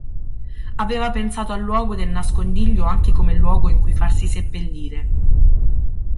Aveva pensato al luogo del nascondiglio anche come luogo in cui farsi seppellire.